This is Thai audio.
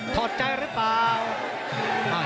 ถอดใจรึเปล่า